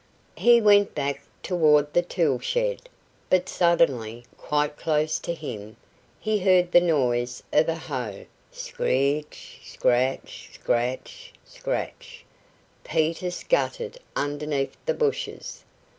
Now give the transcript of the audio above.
He went back toward the tool shed, but suddenly, quite close to him, he heard the noise of a hoe scr r ritch, scratch, scratch, scratch. Peter scuttered underneath the bushes.